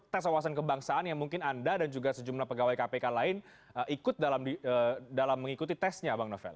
tes wawasan kebangsaan yang mungkin anda dan juga sejumlah pegawai kpk lain ikut dalam mengikuti tesnya bang novel